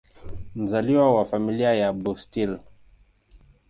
Mzaliwa wa Familia ya Bustill.